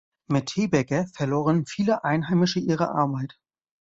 Mit Hebecker verloren viele Einheimische ihre Arbeit.